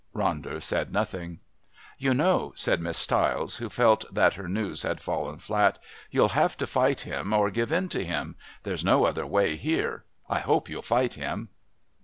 Ronder said nothing. "You know," said Miss Stiles, who felt that her news had fallen flat, "you'll have to fight him or give in to him. There's no other way here. I hope you'll fight him."